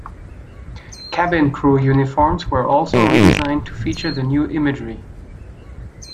Cabin crew uniforms were also redesigned to feature the new imagery.